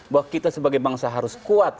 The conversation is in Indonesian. bahwa kita sebagai bangsa harus kuat